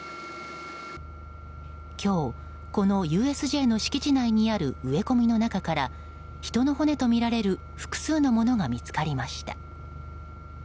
今日、このＵＳＪの敷地内にある植え込みの中から人の骨とみられる複数のものが見つかりました。